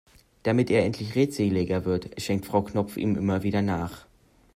Damit er endlich redseliger wird, schenkt Frau Knopf ihm immer wieder nach.